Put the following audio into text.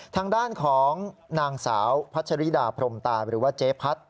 ทางด้านของนางสาวพัชริดาพรมตาหรือว่าเจ๊พัด